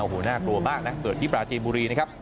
โอ้โหน่ากลัวมากนะเกิดที่ปราจีนบุรีนะครับ